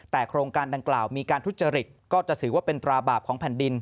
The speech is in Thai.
แต่โครงการดังกล่าวมีการทุจริตก็จะถือว่าเป็นตราบาปของแผ่นดิน